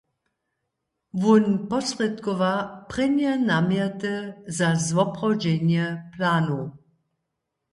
Wón sposrědkowa prěnje namjety za zwoprawdźenje planow.